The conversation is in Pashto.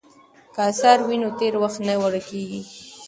که اثار وي نو تېر وخت نه ورکیږي.